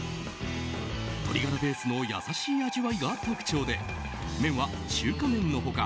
鶏ガラベースの優しい味わいが特徴で麺は中華麺の他